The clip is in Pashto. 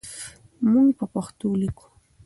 موږ په پښتو لیکو.